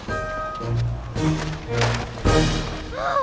あ。